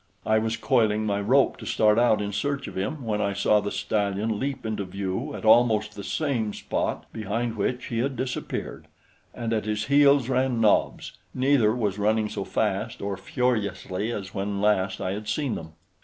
I was coiling my rope to start out in search of him, when I saw the stallion leap into view at almost the same spot behind which he had disappeared, and at his heels ran Nobs. Neither was running so fast or furiously as when last I had seen them.